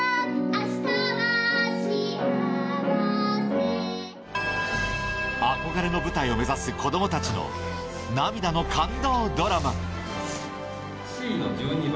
明日は幸せ憧れの舞台を目指す子供たちのＣの１２番。